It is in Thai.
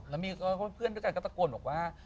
แล้วมีเพื่อนด้วยกันก็ตะโกนบอกว่า